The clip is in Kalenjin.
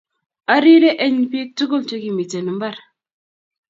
Arire eny bik tugul che kimiten imbar